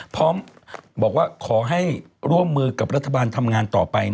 พร้อมบอกว่าขอให้ร่วมมือกับรัฐบาลทำงานต่อไป